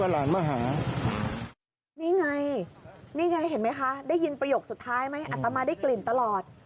ได้ยินประโยคสุดท้ายไหมอาตมาได้กลิ่นตลอด